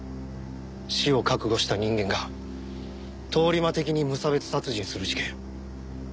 死を覚悟した人間が通り魔的に無差別殺人する事件。